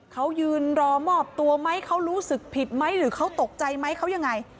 เขายืนรอมอบตัวไหมเขารู้สึกผิดไหมหรือเขาตกใจไหมเขายังไง